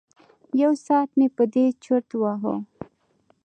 یو ساعت مې په دې چرت وهه.